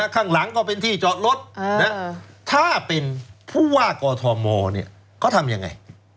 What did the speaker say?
ข้างหลังก็เป็นที่จอดรถถ้าเป็นผู้ว่ากอทมเขาทำยังไง